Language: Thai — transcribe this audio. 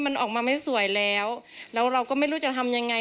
มันออกมาไม่สวยแล้วแล้วเราก็ไม่รู้จะทำยังไง